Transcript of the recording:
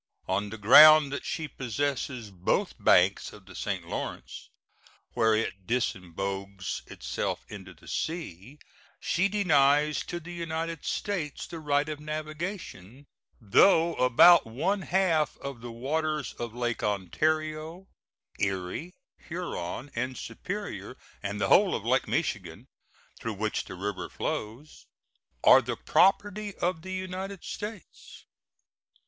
On the ground that she possesses both banks of the St. Lawrence, where it disembogues itself into the sea, she denies to the United States the right of navigation, though about one half of the waters of Lakes Ontario, Erie, Huron, and Superior, and the whole of Lake Michigan, through which the river flows, are the property of the United States.